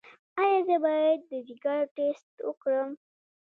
ایا زه باید د ځیګر ټسټ وکړم؟